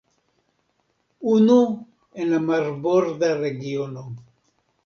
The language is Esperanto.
Unu en la marborda regiono.